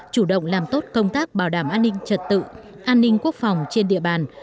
chủ động làm tốt công tác bảo đảm an ninh trật tự an ninh quốc phòng trên địa bàn